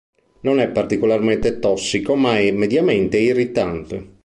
Non è particolarmente tossico ma è mediamente irritante.